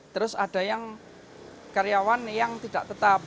terus ada yang karyawan yang tidak tetap